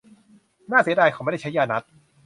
น่าเสียดายเขาไม่ได้ใช้ยานัตถ์